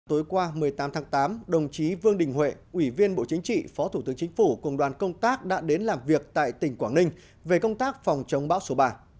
tối qua một mươi tám tháng tám đồng chí vương đình huệ ủy viên bộ chính trị phó thủ tướng chính phủ cùng đoàn công tác đã đến làm việc tại tỉnh quảng ninh về công tác phòng chống bão số ba